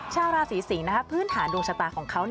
ชาวราศีสิงศ์พื้นฐานดวงชะตาของเขา